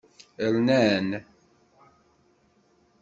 Rnan.